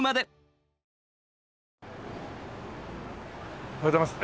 おはようございます。